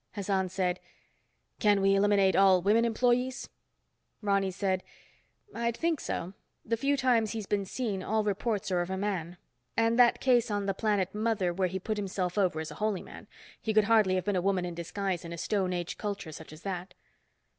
Hassan said, "Can we eliminate all women employees?" Ronny said, "I'd think so. The few times he's been seen, all reports are of a man. And that case on the planet Mother where he put himself over as a Holy Man. He could hardly have been a woman in disguise in a Stone Age culture such as that."